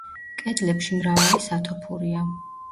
კედლებში მრავალი სათოფურია.